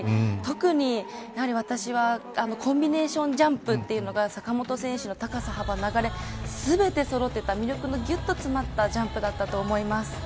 特に私はコンビネーションジャンプというのが坂本選手の高さ、幅、流れ全てそろっていた魅力の詰まったジャンプだったと思います。